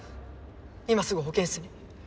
今すぐ保健室に。